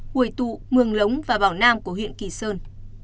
hồi tụ mường lống và bảo nam của huyện kỳ sơn